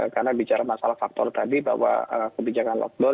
karena bicara masalah faktor tadi bahwa kebijakan lockdown